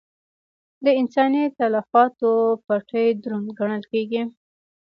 د انساني تلفاتو پېټی دروند ګڼل کېږي.